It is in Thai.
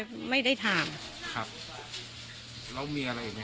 ครับแล้วมีอะไรไหมครับ